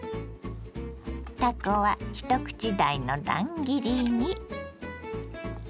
たこは一口大の乱切りに。